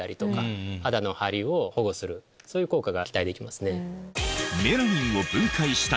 そういう効果が期待できますね。